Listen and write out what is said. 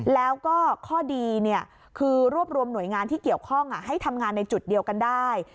แล้วก็ข้อดีคือรวบรวมหน่วยงานที่เกี่ยวข้องให้ทำงานในจุดเดียวกันได้